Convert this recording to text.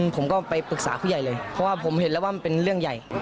ผมก็ไปปรึกษาผู้ใหญ่เลยเพราะว่าผมเห็นแล้วว่ามันเป็นเรื่องใหญ่